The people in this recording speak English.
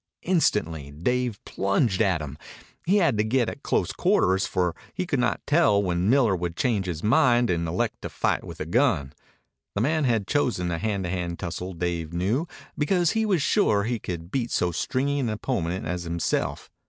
Instantly Dave plunged at him. He had to get at close quarters, for he could not tell when Miller would change his mind and elect to fight with a gun. The man had chosen a hand to hand tussle, Dave knew, because he was sure he could beat so stringy an opponent as himself.